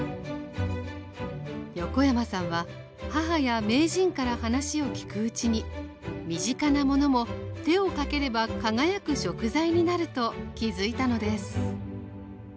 横山さんは母や名人から話を聞くうちに身近なものも手をかければ輝く食材になると気づいたのです